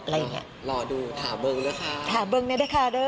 รอดูถามเบิ้งด้วยค่ะ